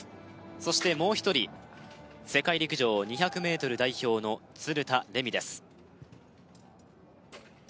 そしてもう一人世界陸上２００ｍ代表の鶴田玲美です